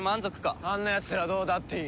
あんなやつらどうだっていい。